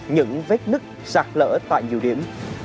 những vết nứt sạc lỡ tại nhiều điểm